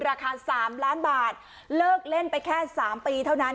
ราคา๓ล้านบาทเลิกเล่นไปแค่๓ปีเท่านั้น